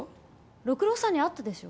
六郎さんに会ったでしょ？